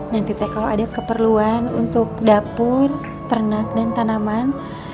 nanti teh kalau ada keperluan untuk dapur ternak dan tanaman